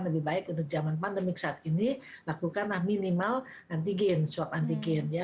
lebih baik untuk zaman pandemik saat ini lakukanlah minimal antigen swab antigen ya